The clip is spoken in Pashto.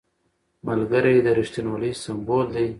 ملګری د رښتینولۍ سمبول دی